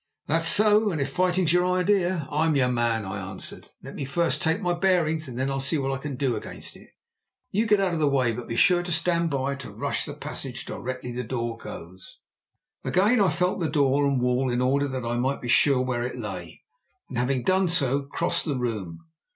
"That's so, and if fighting's your idea, I'm your man," I answered. "Let me first take my bearings, and then I'll see what I can do against it. You get out of the way, but be sure to stand by to rush the passage directly the door goes." Again I felt the door and wall in order that I might be sure where it lay, and having done so crossed the room.